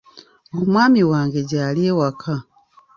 Omwami wange gy'ali ewaka.